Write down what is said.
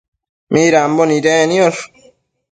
midambo nidec niosh ?